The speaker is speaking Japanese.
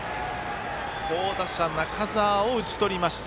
好打者、中澤を打ち取りました。